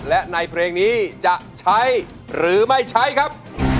และในเพลงนี้จะใช้หรือไม่ใช้ครับ